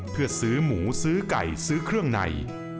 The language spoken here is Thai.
เพื่อซื้อหมูซื้อไก่ซื้อเครื่องใน